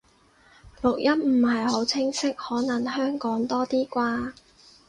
錄音唔係好清晰，可能香港多啲啩